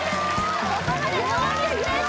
ここまでノーミスです